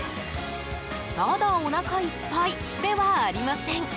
ただおなかいっぱいではありません。